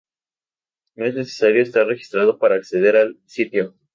No es necesario estar registrado para acceder al sitio.